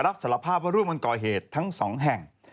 รับสารภาพว่าร่วมกันก่อเหตุทั้งสองแห่ง